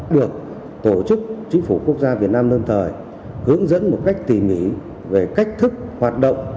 được tổ chức chính phủ quốc gia việt nam lâm thời hướng dẫn một cách tỉ mỉ về cách thức hoạt động